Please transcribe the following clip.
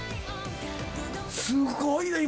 すごいね！